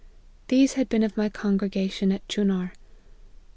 These had been of my congregation at Chunar.